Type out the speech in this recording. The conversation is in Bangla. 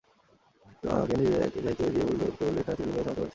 তোমাকে নিজে যাইতে কে বলিল, একখানা চিঠি লিখিয়া দিলেই সমস্ত পরিষ্কার হইত।